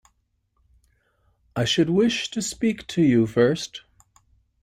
I should wish to speak to you first.